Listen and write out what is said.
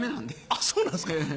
あっそうなんですか。